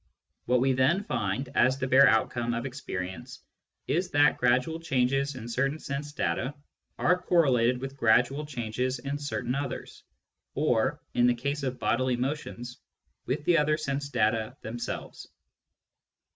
What we then find, as the bare outcome of experience, is that gradual changes in certain sense data are correlated with gradual changes in certain others, or (in the case of bodily motions) with the other sense data themselves.